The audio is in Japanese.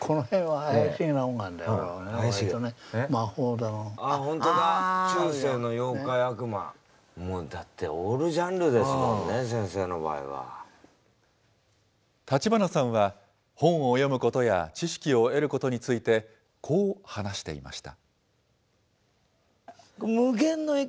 あっ、本当だ、中世の妖怪、立花さんは、本を読むことや知識を得ることについて、こう話していました。